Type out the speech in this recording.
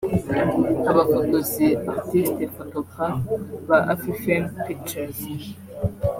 Abafotozi (artistes photographe) ba Afrifame Pictures